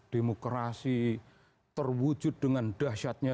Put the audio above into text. demokrasi terwujud dengan dahsyatnya